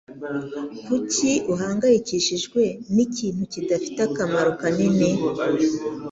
Kuki uhangayikishijwe n'ikintu kidafite akamaro kanini?